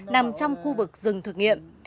nằm trong khu vực rừng thực nghiệm